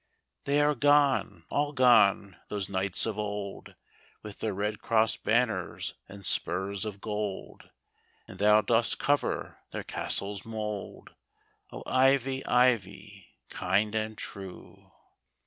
They are gone, all gone, those knights of old. With their red cross banners and spurs of gold. And thou dost cover their castle's mould, O, Ivy, Ivy, kind and true